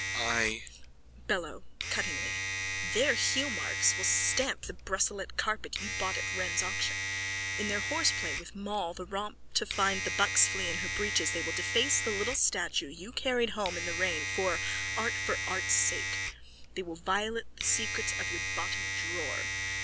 I... BELLO: (Cuttingly.) Their heelmarks will stamp the Brusselette carpet you bought at Wren's auction. In their horseplay with Moll the romp to find the buck flea in her breeches they will deface the little statue you carried home in the rain for art for art's sake. They will violate the secrets of your bottom drawer.